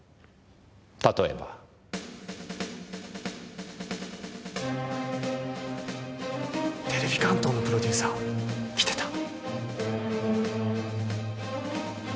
例えば。テレビ関東のプロデューサー来てた。